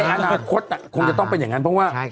อนาคตคงจะต้องเป็นอย่างนั้นเพราะว่า